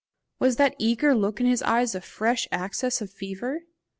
Was that eager look in his eyes a fresh access of the fever?